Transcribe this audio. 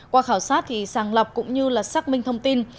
qua khảo sát thì sàng lọc cũng như là xác minh thông tin